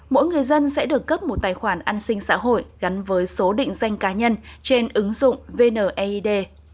mỗi người dân sẽ được cấp một tài khoản an sinh xã hội gắn với số định danh cá nhân trên ứng dụng vneid